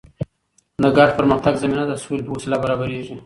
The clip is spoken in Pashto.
د ګډ پرمختګ زمینه د سولې په وسیله برابریږي.